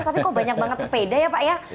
tapi kok banyak banget sepeda ya pak ya